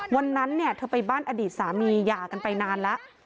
วันนั้นเนี่ยเธอไปบ้านอดีตสามีหย่ากันไปนานแล้ว